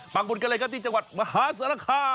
ปักบูธกันเลยก็ที่จังหวัดมหาศาลคาม